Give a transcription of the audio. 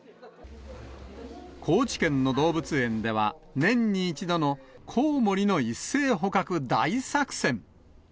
高知県の動物園では、年に１度のコウモリの一斉捕獲大作戦。